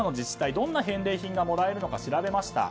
どんな返礼品がもらえるのか調べました。